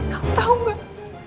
kamu tau gak